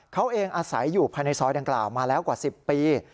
เขาเองอาศัยอยู่ภายในซอยดังกล่าวมาแล้วกว่า๑๐ปี